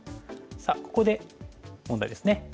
さあここで問題ですね。